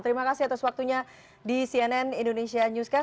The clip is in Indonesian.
terima kasih atas waktunya di cnn indonesia newscast